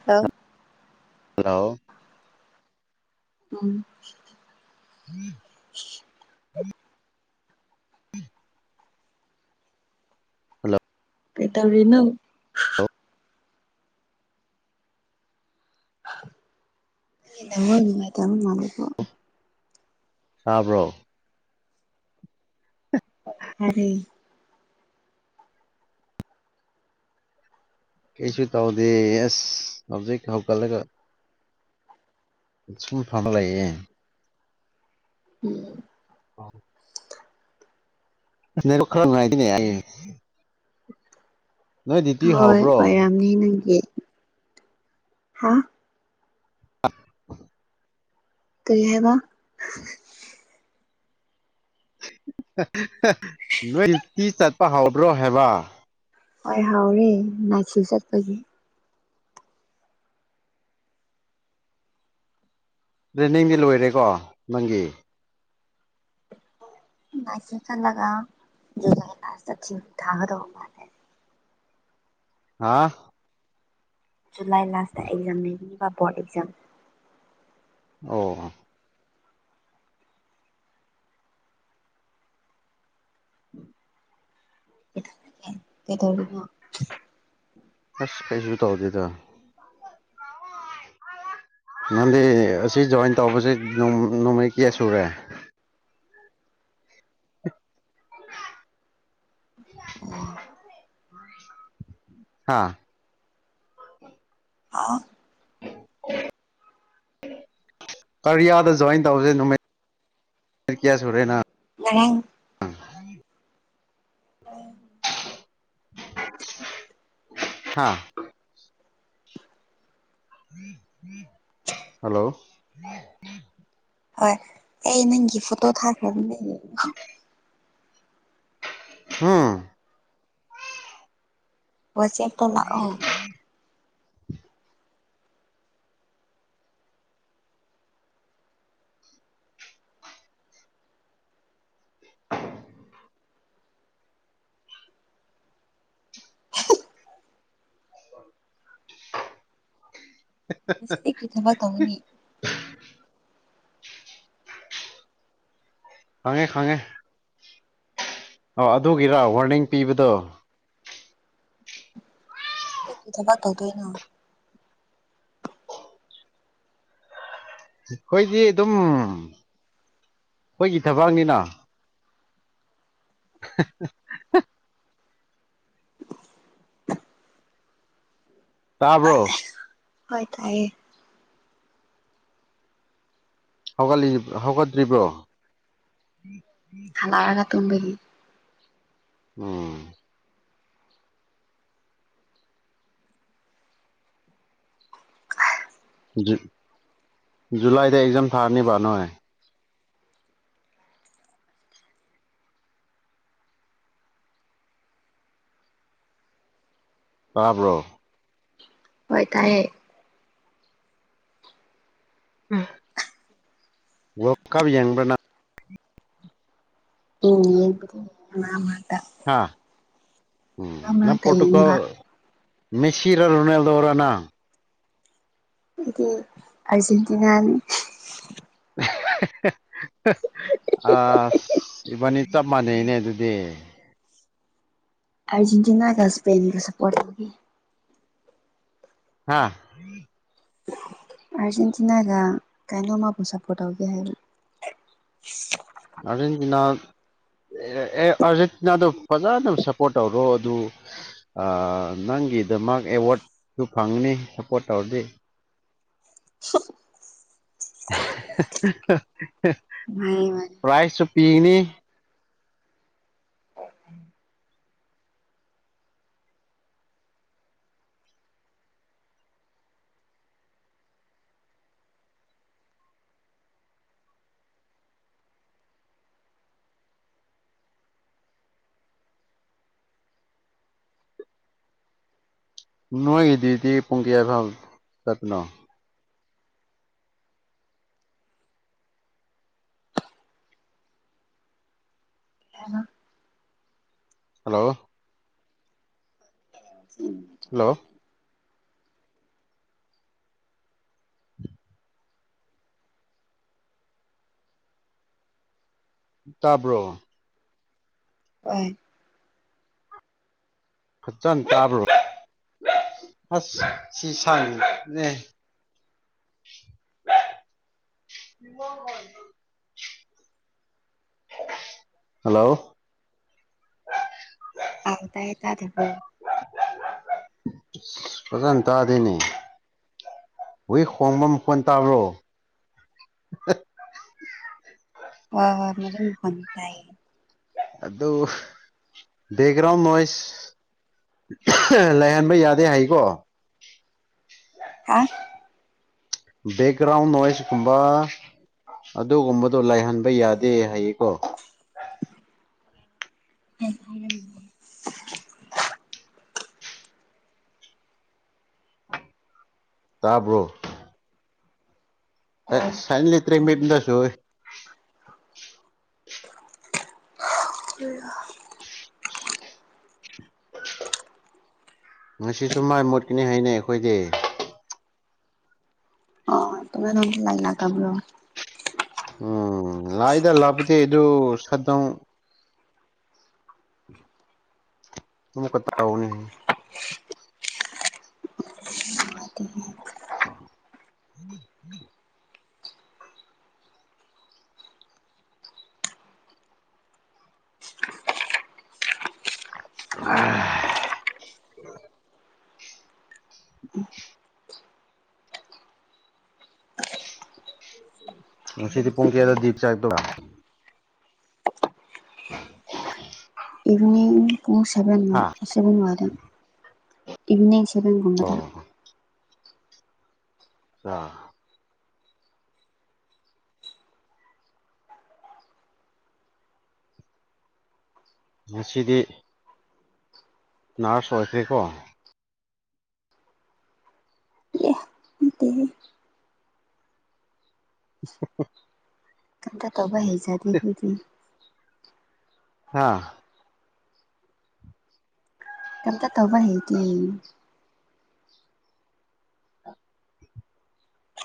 [unintelligible] hello ꯎꯝ ꯎꯝ hello ꯀꯩꯗꯧꯔꯤꯅꯣ network ꯅꯨꯡꯉꯥꯏꯇꯕ ꯃꯥꯟꯂꯦꯀꯣ ꯇꯥꯕ꯭ꯔꯣ ꯇꯥꯔꯦ ꯀꯩꯁꯨ ꯇꯧꯗꯦ ꯑꯁ ꯍꯧꯖꯤꯛ ꯍꯧꯒꯠꯂꯒ ꯁꯀꯨꯜ ꯊꯥꯕ ꯂꯩꯌꯦ ꯎꯝ ꯍ ꯅꯦꯠꯋꯥ ꯈꯔ ꯅꯨꯡꯉꯥꯏꯇꯦꯅꯦ ꯑꯩ ꯅꯣꯏ ꯗ꯭ꯌꯨꯇꯤ ꯍꯣꯏ ꯍꯧꯕ꯭ꯔꯣ ꯑꯣꯏꯔꯝꯅꯤ ꯅꯪꯒꯤ ꯍꯥ ꯀꯔꯤ ꯍꯥꯏꯕ ꯅꯣꯏ ꯗꯌꯨꯇꯤ ꯆꯠꯄ ꯍꯥꯎꯔꯕ꯭ꯔꯣ ꯍꯥꯏꯕ ꯍꯣꯏ ꯍꯥꯎꯔꯦ ꯅꯥꯏꯠꯁꯨ ꯆꯠꯄꯒꯤ ꯇ꯭ꯔꯦꯅꯤꯡꯗꯤ ꯂꯣꯏꯔꯦꯀꯣ ꯅꯪꯒꯤ [unintelligible] ꯍꯥꯥ ꯖꯨꯂꯥꯏ ꯂꯥꯁꯇ ꯑꯦꯛꯖꯥꯝꯕꯤꯕ ꯕꯣꯔꯗ ꯑꯦꯛꯖꯥꯝ ꯑꯣ ꯎꯝ ꯀꯩꯗꯧꯔꯤꯒꯦ ꯀꯩꯗꯧꯔꯤꯅꯣ ꯑꯁ ꯀꯩꯁꯨ ꯇꯧꯗꯦꯗ ꯅꯪꯗꯤ ꯑꯁꯤ ꯖꯣꯏꯟ ꯇꯧꯕꯁꯦ ꯅꯣꯡ ꯅꯣꯡꯃꯩ ꯀꯌꯥ ꯁꯨꯔꯦ [inaudible] ꯑꯣ ꯍꯥꯥ ꯑꯥ [inaudible] ꯀꯥꯔꯤꯌꯥꯗ ꯖꯣꯏꯟ ꯇꯧꯁꯦ ꯅꯨꯃꯤꯠ ꯀꯌꯥ ꯁꯨꯔꯦꯅ [unintelligible] [unintelligible] [unintelligible] ꯍꯥꯥ ꯍꯜꯂꯣ [unintelligible] ꯍꯣꯏ ꯑꯩ ꯅꯪꯒꯤ ꯐꯣꯇꯣ ꯊꯥꯈ꯭ꯔꯕꯅꯦ [unintelligible] ꯋꯥꯆꯦꯞꯇ ꯂꯥꯛꯑꯣ [unintelligible] [inaudible] ꯉꯁꯤꯗꯤ ꯀꯔꯤ ꯊꯕꯛ ꯇꯧꯒꯅꯤ ꯈꯪꯉꯦ ꯈꯪꯉꯦ ꯑꯣ ꯑꯗꯨꯒꯤꯔꯥ ꯋꯥꯔꯅꯤꯡ ꯄꯤꯕꯗꯣ [unintelligible] ꯊꯕꯛ ꯇꯧꯗꯣꯏꯅꯣ ꯑꯩꯈꯣꯏꯗꯤ ꯑꯗꯨꯝ ꯑꯩꯈꯣꯏꯒꯤ ꯊꯕꯛꯅꯤꯅ [unintelligible] ꯇꯥꯕ꯭ꯔꯣ ꯍꯣꯏ ꯇꯥꯏꯌꯦ ꯍꯧꯒꯠꯂꯤ ꯍꯧꯒꯠꯇ꯭ꯔꯤꯕ꯭ꯔꯣ [unintelligible] ꯊꯥꯔꯒ ꯇꯨꯝꯕꯒꯤ ꯎꯝ ꯖꯨ ꯖꯨꯂꯥꯏꯗ ꯑꯦꯛꯖꯥꯝ ꯊꯥꯔꯅꯤꯕ ꯅꯣꯏ ꯇꯥꯕ꯭ꯔꯣ ꯍꯣꯏ ꯇꯥꯏꯌꯦ ꯋꯥꯔꯜ ꯀꯞ ꯌꯦꯡꯕ꯭ꯔ ꯅꯪ ꯌꯦꯡꯉꯦ ꯑꯩꯕꯨꯗꯤ ꯃꯔꯛ ꯃꯔꯛꯇ ꯍꯥꯥ ꯎꯝ ꯃꯔꯛ ꯅꯪ ꯃꯔꯛꯇ ꯄꯣꯔꯇꯨꯒꯜ ꯌꯦꯡꯕ ꯃꯦꯁꯤꯔꯥ ꯔꯨꯅꯦꯜꯗꯣꯔꯥ ꯅꯪ ꯑꯩꯗꯤ ꯑꯔꯖꯦꯟꯇꯤꯅꯥꯅꯤ [unintelligible] ꯑꯁ ꯏꯕꯥꯅꯤ ꯆꯞ ꯃꯥꯟꯅꯩꯅꯦ ꯑꯗꯨꯗꯤ ꯑꯔꯖꯦꯟꯇꯤꯅꯥꯒ ꯁꯄꯦꯟꯒ ꯁꯄꯣꯔꯠ ꯇꯧꯏ ꯍꯥꯥ ꯑꯥꯔꯖꯦꯟꯇꯤꯅꯥꯒ ꯀꯩꯅꯣꯃꯕꯨ ꯁꯞꯄꯣꯔꯠ ꯇꯧꯒꯦ ꯍꯥꯏꯕ [inaudible] ꯑꯔꯖꯦꯟꯇꯤꯅꯥ ꯑꯦ ꯑꯥꯔꯖꯦꯟꯇꯤꯅꯥꯗꯣ ꯐꯖꯅ ꯁꯞꯄꯣꯔꯠ ꯇꯧꯔꯣ ꯑꯗꯨ ꯑ ꯅꯪꯒꯤꯗꯃꯛ ꯑꯦꯋꯥꯔꯗꯁꯨ ꯐꯪꯅꯤ ꯁꯞꯄꯣꯔꯠ ꯇꯧꯔꯗꯤ [unintelligible] [unintelligible] ꯍ ꯃꯥ ꯔꯥꯏꯁꯁꯨ ꯄꯤꯒꯅꯤ ꯅꯣꯏꯒꯤꯗꯤꯗꯤ ꯄꯨꯡꯀꯤ꯭ꯌꯥ ꯐ ꯆꯄꯅꯣ ꯍꯅ ꯍꯜꯂꯣ ꯎꯝ ꯍꯜꯂꯣ ꯇꯥꯕ꯭ꯔꯣ ꯍ ꯐꯖꯅ ꯇꯥꯕ꯭ꯔꯣ ꯑꯁ ꯁꯤ ꯁꯪꯉꯤꯅꯦ ꯃ ꯍꯜꯂꯣ ꯍ ꯑꯥꯎ ꯇꯥꯏ ꯇ ꯊꯕꯣ ꯑꯗꯨ ꯇ ꯑꯗꯨꯅꯤ ꯍꯏ ꯍꯣꯡꯕ ꯃꯈꯣꯟ ꯇꯥꯕ꯭ꯔꯣ ꯍꯣꯏ ꯍꯣꯏ ꯃ ꯐꯣꯟꯟ ꯇꯏꯌꯦ ꯑꯗꯨꯣ ꯦꯒ꯭ꯔꯥꯎ ꯃꯣꯏꯁ ꯂꯩꯍꯟꯕ ꯌꯥꯗꯦ ꯍꯥꯏꯀꯣ ꯍꯥ ꯕꯦꯛꯒ꯭ꯔꯥꯎꯟ ꯣꯏꯁ ꯀꯨꯝꯕ ꯑꯗꯨꯒꯨꯝꯕꯗꯣ ꯂꯥꯏꯍꯟꯕ ꯌꯥꯗꯦ ꯍꯥꯏꯌꯦꯀꯣ [unintelligible] ꯇꯥꯕ꯭ꯔꯣ ꯍꯣꯏ ꯁꯥꯏꯟ ꯏꯂꯦꯛꯇ꯭ꯔꯤꯛ ꯇꯥꯏ ꯃꯤꯞꯗꯁꯨ ꯀ ꯉꯁꯤꯁꯨ ꯃꯥꯏ ꯃꯣꯠꯀꯅꯤ ꯍꯥꯏꯩꯅꯩ ꯑꯩꯈꯣꯏꯗꯤ ꯑꯣ ꯇ ꯊꯣꯟ ꯂꯥꯏꯂ ꯀꯕꯨ꯭ꯔꯣ ꯎꯝ ꯂꯑꯗ ꯂꯥꯛꯄꯗꯤ ꯑꯗꯨ ꯁꯠꯇꯣꯡ ꯑꯃꯃꯛ ꯀ [unintelligible] ꯎꯝ ꯎꯝ ꯑ ꯉꯁꯤꯗꯤ ꯄꯨꯡ ꯀꯌꯥꯗ ꯗꯤꯞ ꯆꯥꯏꯛꯇꯣꯏꯔ [unintelligible] ꯏꯚꯅꯤꯡ ꯄꯨꯡꯚꯦꯟꯚꯦꯟ ꯍꯥ ꯅꯨꯡꯗ ꯏꯅꯦ ꯆꯕꯟ ꯀꯨꯝꯕꯗ ꯑꯣ ꯑ ꯉꯁꯤꯗꯤ ꯅꯔꯁ ꯑꯣꯏꯈ꯭ꯔꯦꯀꯣ ꯎ [unintelligible] ꯀꯟꯇ ꯇꯧꯕ ꯍꯩꯖꯗꯦ ꯍꯨꯣꯏꯗꯤ ꯍꯥꯥ ꯀꯝꯇ ꯇꯧꯧꯕ ꯍꯦꯇ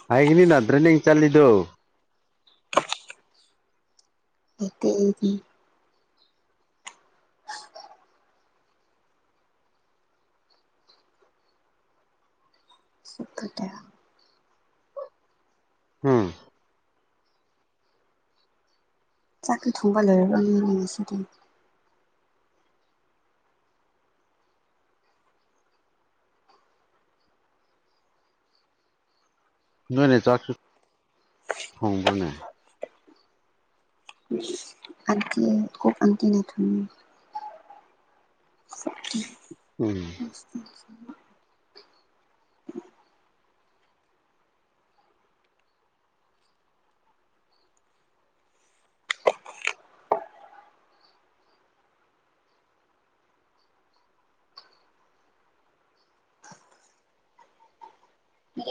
ꯍꯥꯏꯒꯅꯤ ꯅꯠꯇ꯭ꯔ ꯅ ꯆꯠꯂꯤꯗꯨꯣ ꯑꯣꯀꯦ ꯁꯤꯇ ꯎꯝ ꯆ ꯈꯨ ꯊꯣꯡꯕꯜ ꯂꯩꯔꯔꯕ ꯌꯦꯅꯁꯤꯗꯤ ꯅꯣꯏꯅꯦ ꯆꯥꯛꯁꯨ ꯊꯣꯡꯕ꯭ꯔꯣꯅꯦ ꯑ ꯈꯨꯨ ꯑꯪꯀꯤꯅꯦ ꯊꯃꯤ ꯎ ꯎꯝ ꯑ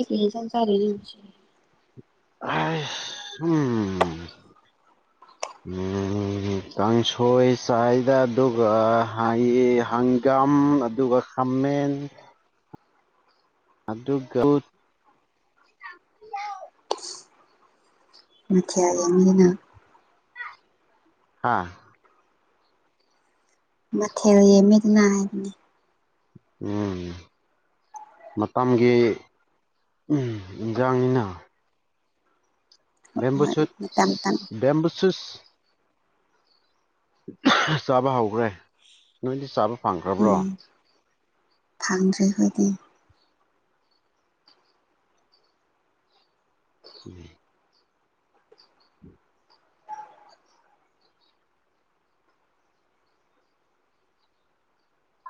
ꯃꯤꯖ ꯆꯔꯦꯁꯤ ꯑ ꯎꯝ ꯎꯝ ꯀꯥꯡꯁꯣꯏ ꯆꯥꯏꯗ ꯑꯗꯨꯒ ꯍꯪꯒꯥꯝ ꯑꯗꯨꯒ ꯍꯃꯦꯟ ꯑꯗꯨ ꯃꯊꯌꯥ ꯌꯥꯅꯤꯅ ꯍꯥꯥ ꯃꯊꯦꯜ ꯃꯤꯒꯅꯥ ꯍꯥꯏꯕꯅꯤ ꯎꯝ ꯃꯇꯝꯒꯤ ꯏꯟꯖꯥꯡꯅꯤꯅ ꯍꯣꯏ ꯕꯦꯦꯝꯕꯨꯆꯠ ꯃꯇꯝ ꯃꯇꯝ ꯕꯦꯦꯝꯕꯨꯆꯨꯁ ꯆꯥꯕ ꯍꯧꯈ꯭ꯔꯦ ꯅꯣꯏꯗꯤ ꯆꯥꯕ ꯐꯪꯈ꯭ꯔꯕ꯭ꯔꯣ ꯐꯪꯗ꯭ꯔꯦꯈꯣꯏꯗꯤ ꯎꯝ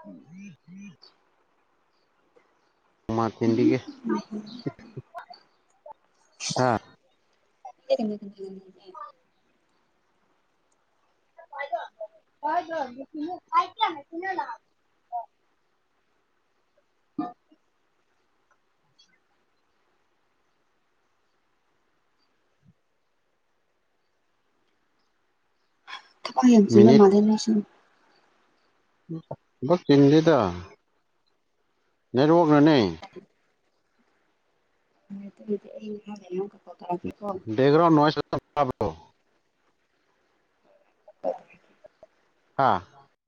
ꯎꯝ ꯎꯝ ꯎꯝ ꯎ ꯃꯥ ꯇꯤꯟꯗꯤꯒ ꯍꯥꯥ ꯀ ꯍꯣꯏ ꯆꯥꯏ ꯀ ꯀꯅ [unintelligible] ꯊꯋꯥꯛ ꯌꯥꯝꯡꯁꯤꯟꯕ ꯃꯤꯅꯤꯠ ꯃꯥꯗꯩꯅꯁꯤꯡ ꯂꯛ ꯆꯤꯡꯁꯤꯗ ꯅꯦꯠꯋꯥꯛꯅꯅꯦ [unintelligible] ꯎ ꯑꯗꯨ ꯑꯗꯨꯗꯤ ꯑꯩ ꯅꯍꯥꯗꯅ ꯑꯃꯨꯛꯇꯊꯊꯔꯛꯀꯦꯀꯣ ꯗꯦꯘꯔꯣ ꯅꯣꯏ ꯆ ꯊ ꯍꯥꯥ